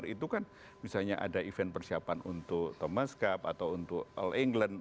itu kan misalnya ada event persiapan untuk thomas cup atau untuk all england